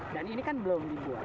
dan ini kan belum dibuat